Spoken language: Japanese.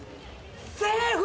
セーフ！